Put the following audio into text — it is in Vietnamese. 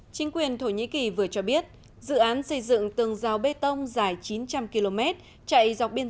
chính quyền thổ nhĩ kỳ vừa cho biết dự án xây dựng tường rào bê tông dài chín trăm linh km chạy dọc biên